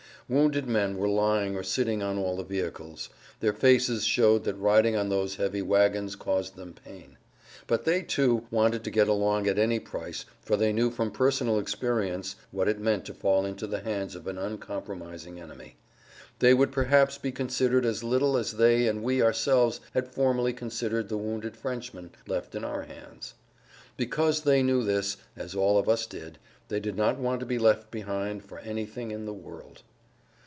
Wounded men were lying or sitting on all the vehicles. Their faces showed that riding on those heavy wagons caused them pain. But they, too, wanted to get along at any price for they knew from personal experience what it meant to fall into the hands of an uncompromising enemy. They would perhaps be considered as little as they and we[Pg 114] ourselves had formerly considered the wounded Frenchmen left in our hands. Because they knew this, as all of us did, they did not want to be left behind for anything in the world.